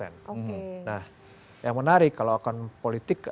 nah yang menarik kalau akun politik itu